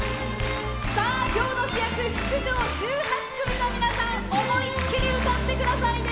今日の主役、出場１８組の皆さん思いっきり歌ってくださいね！